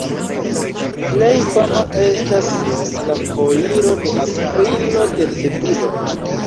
Plej fama estas la Foiro de Aprilo de Sevilo.